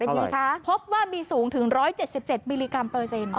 เป็นอย่างไรคะพบว่ามีสูงถึง๑๗๗มิลลิกรัมเปอร์เซ็นต์